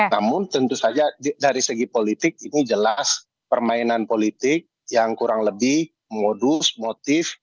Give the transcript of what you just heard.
namun tentu saja dari segi politik ini jelas permainan politik yang kurang lebih modus motif